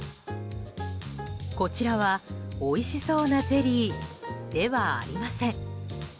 こちらは、おいしそうなゼリーではありません。